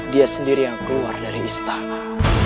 dia sendiri yang keluar dari istana